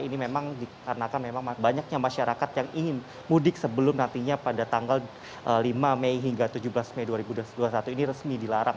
ini memang dikarenakan memang banyaknya masyarakat yang ingin mudik sebelum nantinya pada tanggal lima mei hingga tujuh belas mei dua ribu dua puluh satu ini resmi dilarang